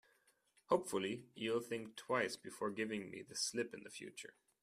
Hopefully, you'll think twice before giving me the slip in future.